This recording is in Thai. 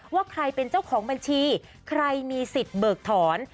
ว่าใครเป็นเจ้าของบัญชีใครมีสิทธิ์เบิกถอน